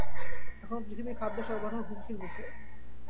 এখন পৃথিবীর খাদ্য সরবারাহ হুমকির মুখে।